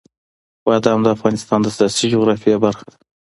بادام د افغانستان د سیاسي جغرافیه برخه ده.